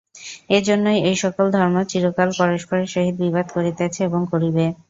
এইজন্যই এইসকল ধর্ম চিরকাল পরস্পরের সহিত বিবাদ করিতেছে এবং করিবে।